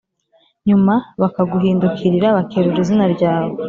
nyuma bakaguhindukirira bakerura izina ryawe,